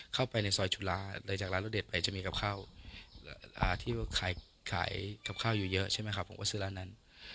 เข้าไปในซอยจุฬาเลยจากร้านรสเด็ดไปจะมีกับข้าวที่ขายกับข้าวอยู่เยอะใช่ไหมครับผมก็ซื้อร้านนั้น